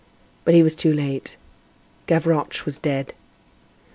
But he was too late. Gavroche was dead.